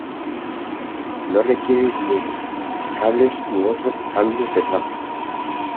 No requiere rieles, cables u otros cambios de tráfico.